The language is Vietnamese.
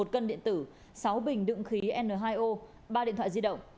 một cân điện tử sáu bình đựng khí n hai o ba điện thoại di động